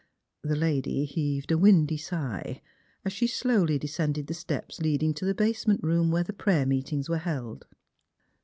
The lady heaved a windy sigh, as she slowly descended the steps leading to the basement room where the prayer meetings were held.